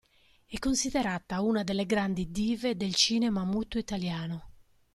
È considerata una delle grandi dive del cinema muto italiano.